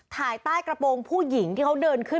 ถ่ายใต้กระโปรงผู้หญิงที่เขาเดินขึ้น